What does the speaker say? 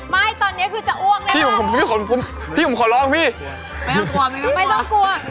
ไม่ตอนนี้คือจะอ้วงนะครับพี่ผมขอร้องพี่ไม่ต้องกลัวไม่ต้องกลัว